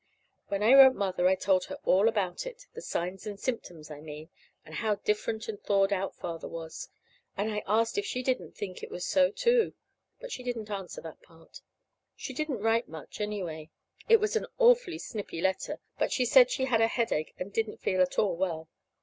When I wrote Mother I told her all about it the signs and symptoms, I mean, and how different and thawed out Father was; and I asked if she didn't think it was so, too. But she didn't answer that part. She didn't write much, anyway. It was an awfully snippy letter; but she said she had a headache and didn't feel at all well.